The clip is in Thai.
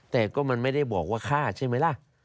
แต่ก็มันไม่ได้บอกว่าฆ่าใช่ไหมล่ะ